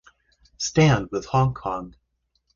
Stand with Hong Kong.